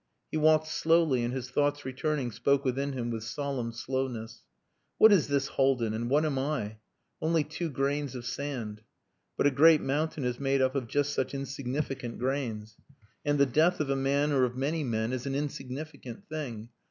He walked slowly and his thoughts returning spoke within him with solemn slowness. "What is this Haldin? And what am I? Only two grains of sand. But a great mountain is made up of just such insignificant grains. And the death of a man or of many men is an insignificant thing.